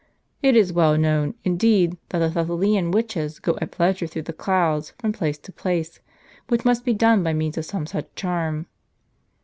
It is well known, indeed, that the Thessalian witches go at pleasure through the clouds, from place to place, which must be done by means of some such charm.